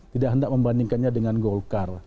tidak hendak membandingkannya dengan golkar